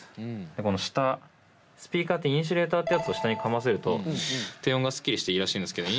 でこの下スピーカーってインシュレーターってやつを下にかませると低音がすっきりしていいらしいんですけど